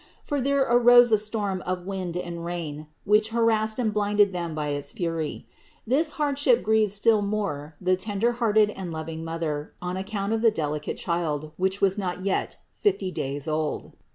For there arose a storm of wind and rain, which harassed and blinded them by its fury. This hardship grieved still more the tender hearted and loving Mother on account of the delicate Child, which was not yet fifty days old.